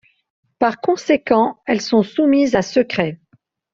Par conséquent elles sont soumises à secret.